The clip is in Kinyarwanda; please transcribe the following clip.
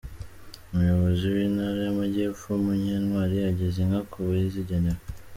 Umuyobozi w’Intara y’Amajyepfo Munyentwari ageza inka ku bazigenewe.